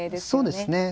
そうですね。